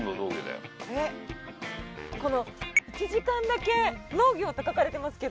この１時間だけ農業って書かれてますけど。